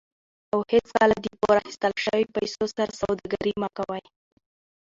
او هیڅکله د پور اخیستل شوي پیسو سره سوداګري مه کوئ.